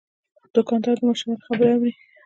دوکاندار د ماشومانو خبرې اوري.